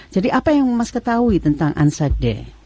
jadi apa yang mas ketahui tentang ansar d